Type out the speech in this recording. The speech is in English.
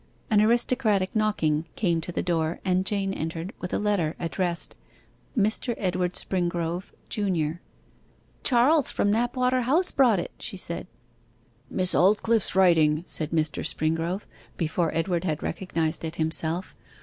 An aristocratic knocking came to the door, and Jane entered with a letter, addressed 'MR. EDWARD SPRINGROVE, Junior.' 'Charles from Knapwater House brought it,' she said. 'Miss Aldclyffe's writing,' said Mr. Springrove, before Edward had recognized it himself.